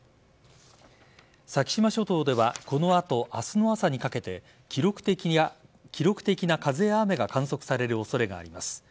先島諸島ではこの後明日の朝にかけて記録的な風や雨が観測される恐れがあります。